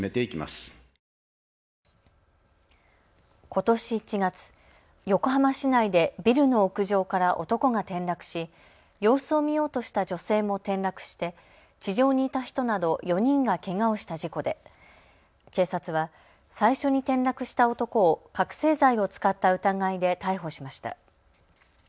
ことし１月、横浜市内でビルの屋上から男が転落し様子を見ようとした女性も転落して地上にいた人など４人がけがをした事故で警察は最初に転落した男を覚醒剤を使った疑いで逮捕しました。